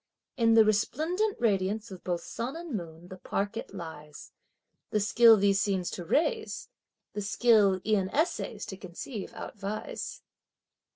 In the resplendent radiance of both sun and moon the park it lies! The skill these scenes to raise the skill e'en essays to conceive outvies!